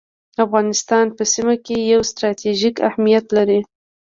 افغانستان په سیمه کي یو ستراتیژیک اهمیت لري